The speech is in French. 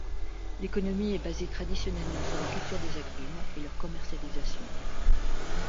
L'économie est basée traditionnellement sur la culture des agrumes, et leur commercialisation.